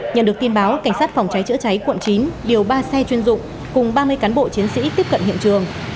nhận được tin báo cảnh sát phòng cháy chữa cháy quận chín điều ba xe chuyên dụng cùng ba mươi cán bộ chiến sĩ tiếp cận hiện trường